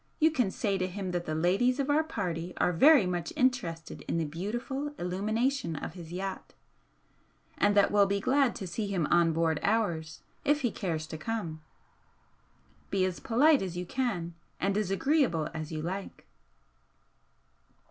You can say to him that the ladies of our party are very much interested in the beautiful illumination of his yacht, and that we'll be glad to see him on board ours, if he cares to come. Be as polite as you can, and as agreeable as you like."